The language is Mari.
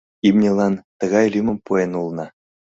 — Имньылан тыгай лӱмым пуэн улына.